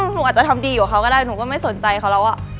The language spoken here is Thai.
หนูอาจจะทำดีกว่าเขาก็ได้หนูก็ไม่สนใจเขาแล้ว